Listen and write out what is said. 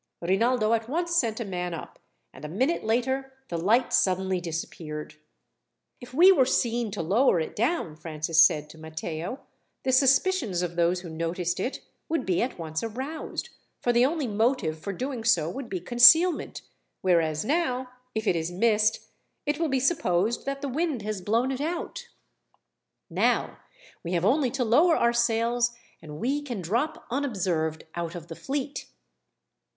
Rinaldo at once sent a man up, and a minute later the light suddenly disappeared. "If we were seen to lower it down," Francis said to Matteo, "the suspicions of those who noticed it would be at once aroused, for the only motive for doing so would be concealment; whereas now, if it is missed, it will be supposed that the wind has blown it out. Now we have only to lower our sails, and we can drop unobserved out of the fleet."